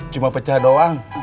cuma pecah doang